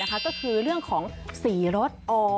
ก็คือเรื่องของสีรถ